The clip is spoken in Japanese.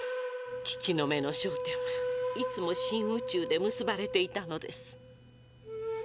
父の目の焦点はいつも深宇宙で結ばれていたのです。